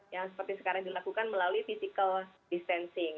yang seperti sekarang dilakukan melalui physical distancing